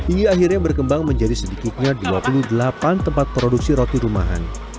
ia akhirnya berkembang menjadi sedikitnya dua puluh delapan tempat produksi roti rumahan